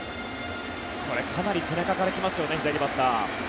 これ、かなり背中から来ますよね左バッター。